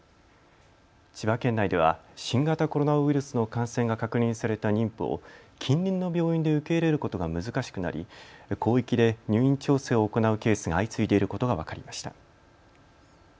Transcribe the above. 千葉県内では新型コロナウイルスの感染が確認された妊婦を近隣の病院で受け入れることが難しくなり広域で入院調整を行うケースが相次いでいることが分かりました。